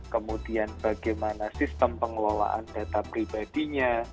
kemudian bagaimana sistem pengelolaan data pribadinya